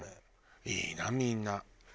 いいなみんな。